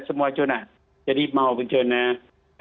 semua jurnal jadi mau jurnal